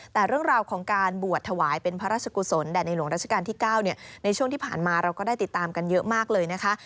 แต่เรื่องราวของการบวชถวายเป็นพระราชกุศลแด่ในหลวงราชการที่๙ในช่วงที่ผ่านมาเราก็ได้ติดตามกันเยอะมากเลยนะคะ